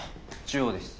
中央です。